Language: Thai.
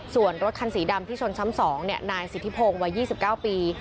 ส่วนรถคันสีดำที่ชนซ้ำ๒นายสิทธิพงศ์วัย๒๙ปี